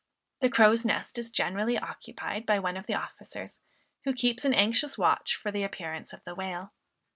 The crow's nest is generally occupied by one of the officers, who keeps an anxious watch for the appearance of a whale.